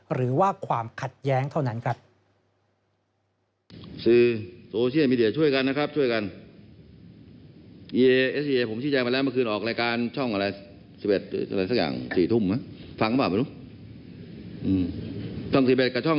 หรือว่าความขัดแย้งเท่านั้นครับ